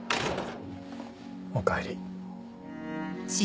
おかえり。